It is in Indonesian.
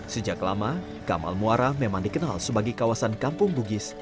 sejak lama kamal muara memang dikenal sebagai kawasan kampung bugis